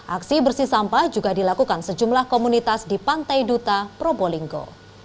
aksi bersih sampah juga dilakukan sejumlah komunitas di pantai duta probolinggo